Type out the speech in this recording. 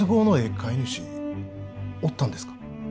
買い主おったんですか？